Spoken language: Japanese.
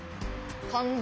感動。